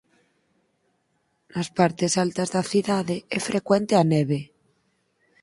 Nas partes altas da cidade é frecuente a neve.